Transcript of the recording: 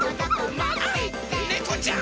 あっねこちゃん！